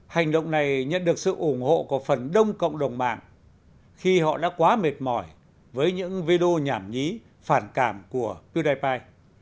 kênh youtube này nhận được sự ủng hộ của phần đông cộng đồng mạng khi họ đã quá mệt mỏi với những video nhảm nhí phản cảm của pewdiepie